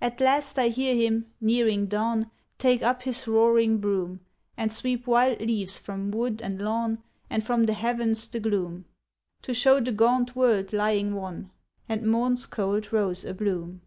At last I hear him, nearing dawn, Take up his roaring broom, And sweep wild leaves from wood and lawn, And from the heavens the gloom, To show the gaunt world lying wan, And morn's cold rose a bloom.